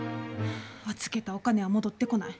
預けたお金は戻ってこない。